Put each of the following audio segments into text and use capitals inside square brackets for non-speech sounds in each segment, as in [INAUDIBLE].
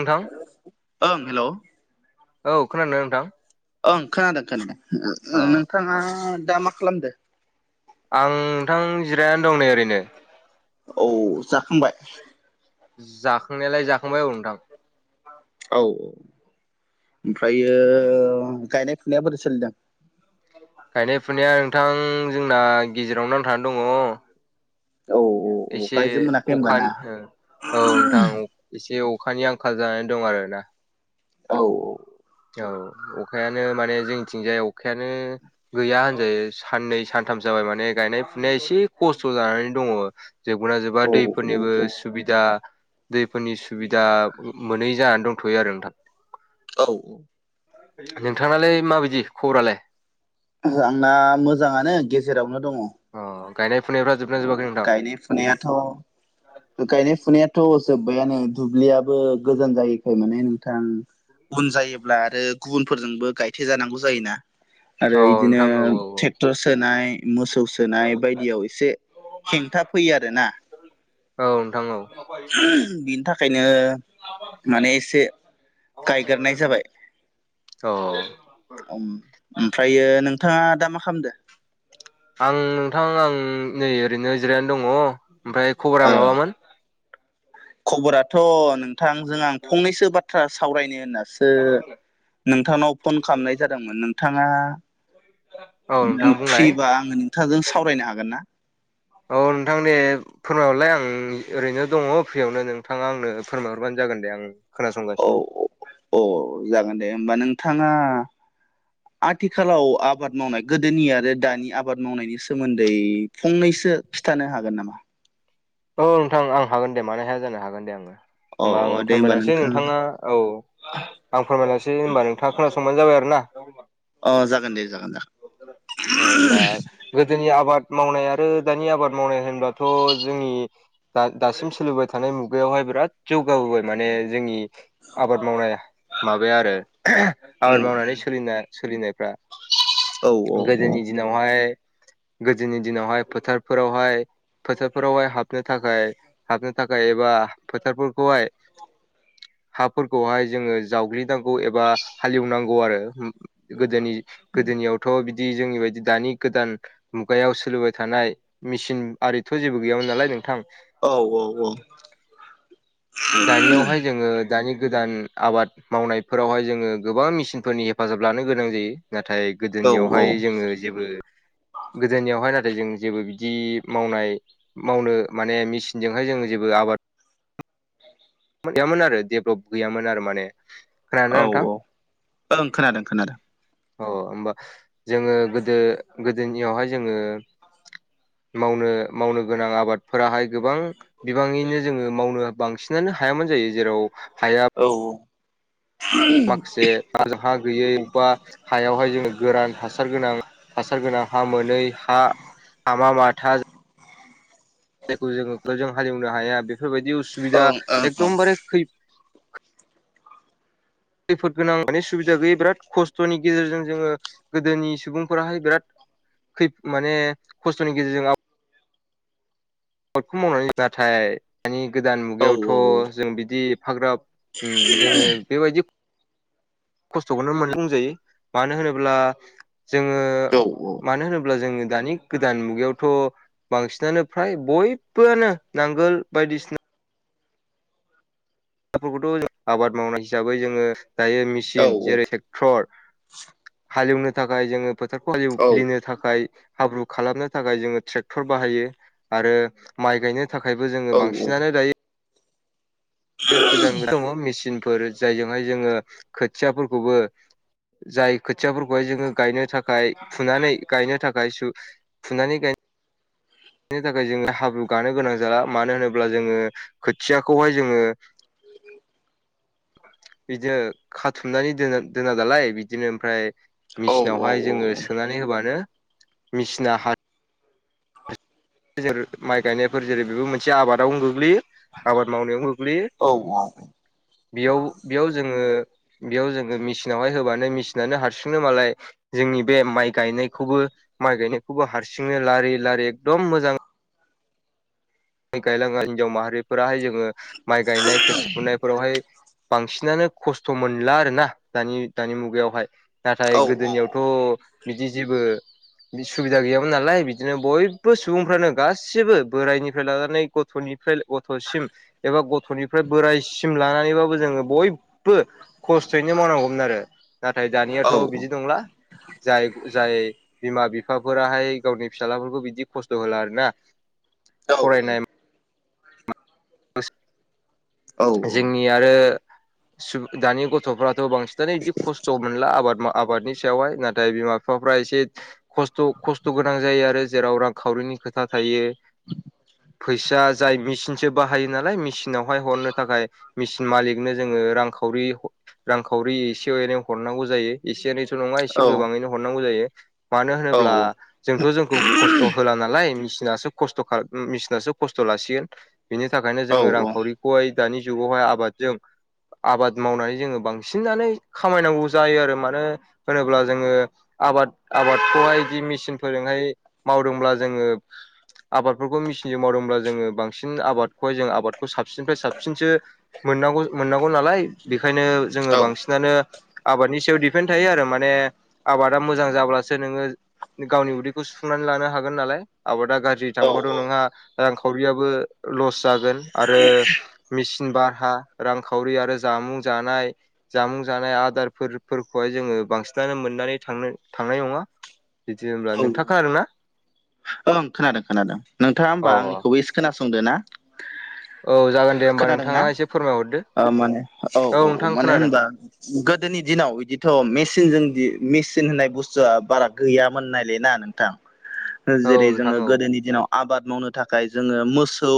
नोंथां ओं हेलौ औ खोनादोंना नोंथां? ओं खोनादों खोनादों अ नोंथाङा दा मा खालामदो? आं नोंथां जिरायनानै दं नै ओरैनो औ जाखांबाय? जाखांनायालाय जाखांबाय औ नोंथां औ औ ओमफ्रायो गायनाय फुनाया बोरै सोलिदों? गायनाय फुनाया नोंथां जोंना गेजेरावनो नांथानानै दङ। औ औ एसे गायजोब मोनाखै होमबा ना अखानि औ नोंथां एसे अखानि आंखाल जानानै दं आरोना औ औ औ अखायानो माने जोंनिथिंजाय अखायानो गैया होनजायो साननै सानथाम जाबाय माने गायनाय फुनाया एसे खस्थ' जानानै दङ। जोबगो ना जोबा औ औ दैफोरनिबो औ सुबिदा दैफोरनि सुबिदा मोनै जानानै दंथ'यो आरो नोंथां। औ औ नोंथांलाय माबायदि खबरालाय? ओहो आंना मोजाङानो गेजेरावनो दङ। अ गायनाय फुनायफ्रा जोबना जोबाखै नोंथां। नेयाथ' गायनाय फुनायाथ' जोब्बायानो दुब्लियाबो गोजान जायैखाय माने नोंथां उन जायोब्ला आरो गुबुनफोरजोंबो गायथे जानांगौ जायोना। आरो औ इदिनो नोंथां औ औ औ ट्रेक्टर सोनाय मोसौ सोनाय बायदियाव एसे हेंथा फैयो आरो ना। औ नोंथां औ [UNINTELLIGIBLE] बिनि थाखायनो माने एसे गायग्रोनाय जाबाय। औ-औ। अम ओमफ्रायो नोंथाङा दा मा खामदो। आं नोंथां आं नै ओरैनो जिरायनानै दङ ओमफ्राय ओ खबरा माबामोन। खबराथ' नोंथांजों आं फंनैसो बाथ्रा सावरायनो होननासो [INAUDIBLE] नोंथांनाव फन खालामनाय जादोंमोन । नोंथाङा औ नोंथां [UNINTELLIGIBLE] बुंलाय फ्रिबा आङो नोंथांजों सावरायनो हागोन ना। औ नोंथां ने फोरमायहरलाय आं ओरैनो दङ फ्रियावनो नोंथाङा आंनो फोरमायहरबानो जागोन दे आं खोनासंगासिनो अ जागोन दे होमबा नोंथाङा आथिखालाव आबाद मावनाय गोदोनि आरो दानि आबाद मावनायनि सोमोन्दै फंनैसो खिथानो हागोन नामा। औ नोंथां आं हागोन दे मानो हाया जानो हागोन दे आङो अ होमबा अ आङो दे होमबा फोरमायलांसै नोंथां नोंथाङा औ आं फोरमायनोसै होनबा नोंथाङा खोनासंबानो जाबाय आरो ना। अ जागोन दे जागोन दे ओ होमबा [UNINTELLIGIBLE] गोदोनि आबाद मावनाय आरो दानि आबाद मावनाय होनब्लाथ' जोंनि दा दासिम सोलिबाय थानाय मुगायावहाय बिराद जौगाबोबाय माने जोंनि आबाद मावनाय माबाया आरो आबाद मावनानै सोलिना सोलिनायफ्रा औ गोदोनि दिन न' हाय गोदोनि दिनावहाय फोथारफोरावहाय-फोथारफोरावहाय हाब हाबनो थाखाय हाबनो थाखाय एबा फोथारफोरखौहाय हाफोरखौहाय जोङो जावग्लिनांगौ एबा हालेवनांगौ आरो ओम गोदोनि गोदोनियावथ' बिदि जोंनि बायदि दानि गोदान मुगायाव सोलिबाय थानाय मेसिन आरिथ' जेबो गैयामोन नालाय नोंथां। औ-औ-औ। दानियावहाय जोङो दानि गोदान आबाद मावनायफोरावहाय जोङो गोबां मेसिनफोरनि हेफाजाब लानो गोनां जायो। नाथाय औ गोदोनियावहाय जोङो जेबो गोदोनियावहाय नाथाय जों जेबो बिदि मावनाय मावनो माने मेसिनजोंहाय जों जेबो आबाद गैमोन आरो देब गैयामोन आरो माने। खोनादोंना औ-औ नोंथां ओं खोनादों-खोनादों। अ होमबा जोङो गोदो गोदोनियावहाय जोङो मावनो-मावनो गोनां आबादफोराहाय गोबां बिबाङैनो जोङो मावनो बांसिनानो हायामोन जायो जेराव हाया औ। माखासे हा-हा गैयै बा हायावहाय जोङो गोरान हासार गोनां हासार गोनां हा मोनै हा हामा माथा जायखौ जोङोजों [UNINTELLIGIBLE] हालेवनो हाया बेफोरबायदि औ उसुबिदा ओं ओं औ एकदमबारे खै खैफोद गोनां माने सुबिदा गैयै बिराद खस्थ'नि गेजेरजों जोङो गोदोनि सुबुंफोराहाय बेराद खै माने खस्थ'नि गेजेरजों आब बादखौ मावनानै नाथाय दानि गोदान मुगायावथ जों बिदि एफाग्राब उम जोङो बेबायदि खस्थखौनो मोन बुंजायो मानो होनोब्ला जोङो मानो होनोब्ला जोङो दानि गोदान मुगायावथ बांसिनानो फ्राय बयबोआनो नांगोल बायदिसिना फोरखौथ आबाद मावनाय हिसाबै जोङो दायो औ मेसिन जेरै टेक ट्रर हालेवनो थाखाय जोङो फोथारखौ एवग्लिनो था खाय हाब्रु खालामनो थाखाय जोङो ट्रेक्टर बाहायो आरो माइ गायनो थाखायबो औ जोङो बांसिनानो दायो बे गोदान दङ‌ मिसिनफोर जायजोंहाय जोङो खोथियाफोरखौबो जाय खोथियाफोरखौहाय जोङो गायनो थाखाय फुनानै गायनो थाखाय सु फुनानै गाय नो थाखाय जोङो हाब्रु गानो गोनां जाला मानो होनोब्ला जोङो खोथियाखौहाय जोङो बिदि खाथुमनानै दोनो दोना दालाय बिदिनो ओमफ्राय मेसिनावहाय जोङो सोनानै होबानो मेसिना हा जेरै माइ गायनायफोर जेरै बेबो मोनसे आबादावनो गोग्लैयो। आबाद मावनायाव गोग्लैयो औ बेयाव बेयाव जोङो बेयाव जोङो मेसिनावहाय होबानो मेसिनानो हारसिंनो मालाय जोंनि बे माइ गायनायखौबो माइ गायनायखौबो हारसिंनो लारि लारि एकदम मोजां गायलाङो हिनजाव माहारिफोराहाय जोङो माइ गायनाय खोथिया फुनायफोरावहाय बांसिनानो खस्थ मोनला आरोना दानि दानि मुगायावहाय। नाथाय गोदोनियावथ बिदि जेबो बि सुबिदा गैयामोन नालाय बिदिनो बयबो सुबुंफ्रानो गासिबो बोरायनि फ्राय लानानै गथनिफ्राय गथसिम एबा गथनिफ्राय बोरायसिम लानानैबाबो जोङो बयबो खस्थयैनो मावनांगौमोन आरो नाथाय दानियाथ बिदि नंला। जाय जाय बिमा बिफा फोराहाय गावनि फिसालाफोरखौ बिदि खस्थ होला आरोना। औ औ। फरायनाय जोंनि आरो सु दानि गथ फ्राथ बांसिनानो बिदि खस्थ मोनला आबाद मा आबादनि सायावहाय नाथाय बिमा बिफाफ्रा एसे खस्थ खस्थ गोनां जायो आरो जेराव रांखावरिनि खोथा थायो। फैसा जाय मेसिनसो बाहायो नालाय मिसि नावहाय हरनो थाखाय मिसिन मालिकनो जोङो रांखावरि रांखावरि एसे एनै हरनांगौ जायो एसे एनैथ नङा एसे गोबाङैनो हरनांगौ जायो मानो होनोब्ला जोंथ जोंखौ खस्थ होला नालाय मिसिनासो खस्थ खा मिसिनासो खस्थ लासिगोन बिनि थाखायनो जोङो रांखावरि खौहाय दानि जुगावहाय आबादजों आबाद मावनानै जोङो बांसिनानो खामायनांगौ जायो आरो मानो होनोब्ला जोङो आबाद आबादखौहाय बिदि मिसिन फोरजोंहाय मावदोंब्ला जोङो आबादफोरखौ मेसिनजों मावदोंब्ला जोङो बांसिन उम आबादखौहाय जों आबादखौ साबसिननिफ्राय साबसिनसो मोननांगौ मोननांगौ नालाय बेखायनो जोङो बांसिनानो आबादनि सायाव दिडपेन्ड थायो आरो माने आबादा मोजां जाब्लासो नोङो गावनि उदैखौ सुफुंनानै लानो हागोन नालाय आबादा गा जि औ थांबाथ नोंहा रांखावरियाबो लस जागोन आरो मेचिन भारहा रांखावरि आरो जामुं जानाय जामुं जानाय आदारफोर फोरखौहाय जोङो बांसिनानो मोननानै थांनो थांनाय नङा बिदि होनब्ला औ नोंथाङा खोनादोंना औ ओं खोनादों खोनादों नोंथाङा होमबा अ आंनिखौबो खोनासंदो ना औ जागोन दे होमबा खोनादोंना नोंथाङा एसे फोरमायहरदो अ माने औ औ नोंथां मानो खोनादों होनबा गोदोनि दिनाव बिदिथ' मेसिनजों मेसिन होननाय बुस्थुआ बारा गैया मोननायल ना नोंथां औ जेरै नोंथां जोङो औ गोदोनि दिनाव आबाद मावनो थाखाय जोङो मोसौ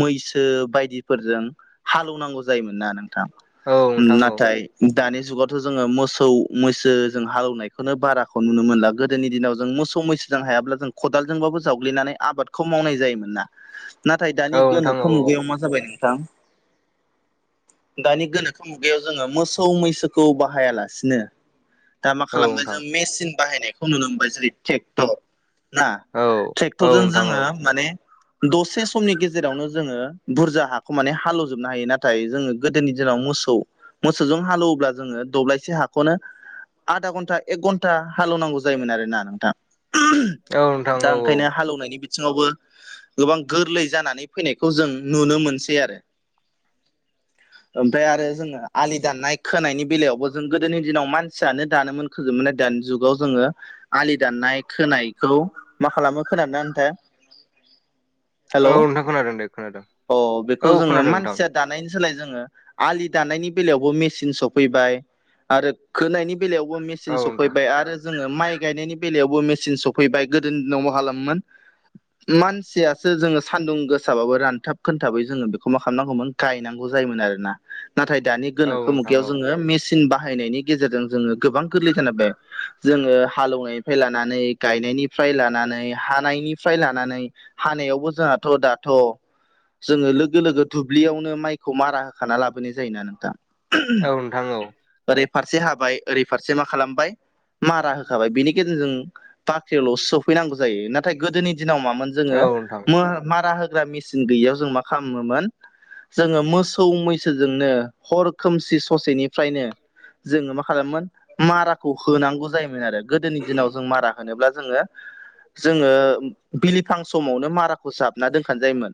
मैसो बायदिफोरजों हालौवनांगौ जायोमोन ना नोंथां औ नोंथां औ नाथाय दानि जुगावथ' जोङो मोसौ मैसो जों हालौवनायखौनो बाराखौ नुनो मोनला गोद गोदोनि दिनाव जों मोसौ मैसोजों हायाब्ला जों खदालजोंबाबो जावग्लिनानै आबादखौ मावनाय जायोमोन ना। नाथाय औ दानि नोंथां गोनोखो औ मुगायाव मा जाबाय नोंथां दानि गोनोखो मुगायाव जोङो मोसौ मैसोखौ बाहायालासिनो दा मा औ खालामबाय नोंथां जों मेसिन बाहायनायखौ नुनो मोनबाय जेरै ट्रेक्टर ना औ औ ट्रेक्टरजों नोंथां औ जोङो माने दसे समनि गेजेरावनो जोङो बुरजा हाखौ माने हालेवजोबनो हायो नाथाय जोङो गोदोनि दिनाव मोसौ मोसौजों हालेवोब्ला जोङो दब्लायसे हाखौनो आधा घन्टा एक घन्टा हालौनांगौ ज जायोमोन आरोना नोंथां औ नोंथां दा औ ओंखायनो हालौवनायनि बिथिङावबो गोबां गोरलै जानानै फैनायखौ जों नुनो मोनसै आरो [INAUDIBLE] ओमफ्राय आरो जोङो आलि दाननाय खोनायनि बेलायावबो जों गोदोनि दिनाव मानसियानो दानोन खोयोमोनना दानि जुगाव जोङो आलि दाननाय खोनायखौ मा खालामो खोनादोंना‌ नोंथां? हेलौ औ नोंथां खोनादों दे खोनादों अ औ बेखौ जोङो खोनादों नोंथां मानसिया। दानायनि सोलाय जोङो आलि दानायनि बेलायावबो मेचिन सफैबाय आरो खोनायनि बेलायावबो मेचिन औ नोंथां सफैबाय आरो जो ङो माइ गायनायनि बेलायावबो मेचन सफैबाय गोदोनि दिनाव मा खालामोमोन मानसियासो जोङो सान्दुं गोसाबाबो रानथाब खोनथाबै जोङो बेखौ मा खालामनांगौमोन गायनांगौ जायोमोन आरो ना नाथाय दानि औ गोनोखो नोंथां मुगगायाव औ जोङो मेसिन बाहायनायनि गेजेरजों जोङो गोबां गोरलैजानाबाय जोङो हालेवनायनिफ्राय लानानै गायनायनिफ्राय लानानै हानायनिफ्राय लानानै हानायावबो जोंहाथ' दाथ' जोङो लोगो लोगो दुब्लियावनो माइखौ मारा होखाना लाबोनाय जायोना नोंथां औ नोंथां औ। ओरै फारसे हाबाय ओरै फारसे मा खालामबाय मारा होखाबाय बिनि गेजेरजों बाख्रियावल' सफैनांगौ जायो नाथाय गोदोनि दिनाव मामोन जोङो औ नोंथां मो मारा होग्रा मेसिन गैयैयाव जों मा खालामोमोन जोङो मोसौ मैसोजोंनो हर खोमसि ससेनिफ्रायनो जोङो मा खालामोमोन माराखौ होनांगौ जायोमोन आरो गोदोनि दिनाव जों मारा होनोब्ला जोङो जोङो बिलिफां समावनो माराखौ जाबना दोनखानो जायोमोन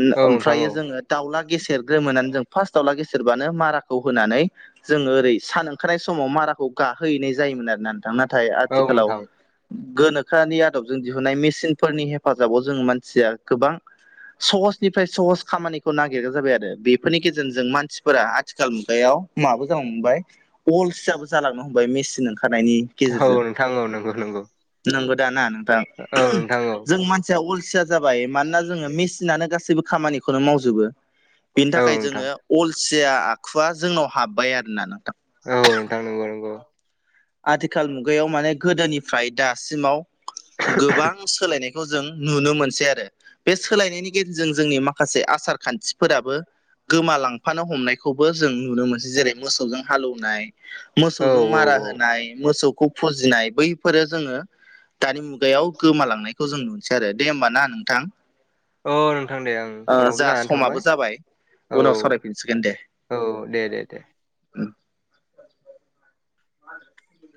ओ औ नोंथां ओमफ्रायो औ जोङो दावला गेसेेरग्रोमोननानै जों फार्स्ट दावउला गेसेेरबानो माराखौ होनानै जोङो ओरै सान ओंखारनाय समाव माराखौ गाहोनाय जायोमोन आरोना नोंथां नाथाय औ आथिखालाव नोंथां औ गोनोखोआनि आदबजों दिहुननाय मेसिनफोरनि हेफाजाबाव जों मानसिया गोबां सहसनिफ्राय सहस खामानिखौ नागिरग्रा जाबाय आरो बेफोरनि गेजेरजों मानसिफोरा आथिखाल मुगायाव माबो जानो हमबाय अलसियाबो जालांनो हमबाय मेसिन ओंखारनायनि औ नोंथां औ नंगौ नंगौ नोंगौ दा ना नोंथां औ नोंथां औ जों मानसिया अलसिया जाबाय मानोना जोङो मेसिननो गासैबो खामानिखौनो मावजोबो बे बिनि औ थाखाय नोंथां जोङो अलसिया आखुवा जोंनाव हाब्बाय आरोना नोंथां औ नोंथां नंगौ नंगौ। आथिखाल मुगायाव माने गोदोनिफ्राय दासिमाव गोबां सोलायनायखौ जों नुनो मोनसै आरो बे सोलायनायनि गेजेरजों जोंनि माखासे आसार खान्थिफोराबो गोमालांफानो हमनायखौबो जों नुनो मोनसै जेरै मोसौजों हालौवनाय औ मोसौजों औ मारा औ होनाय मोसौखौ फुजिनाय बैफोरो जोङो दानि मुगायाव गोमालांनायखौ जों नुनोसै आरो दे होमबा ना नोंथां औ नोंथां दे आं ओ समावबो जोहा जानानै थांबाय समाबो जाबाय औ उनाव सावरायफिनसिगोन दे औ दे दे दे [UNINTELLIGIBLE]